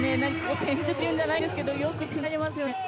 戦術じゃないんですけどよくつないでますよね。